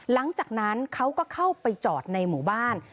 หลังจากนั้นเขาก็เข้าไปจอดในหมู่บ้าน